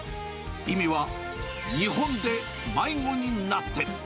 意味は日本で迷子になって。